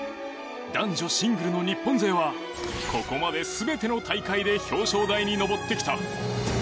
男女シングルの日本勢はここまで全ての大会で表彰台に上ってきた。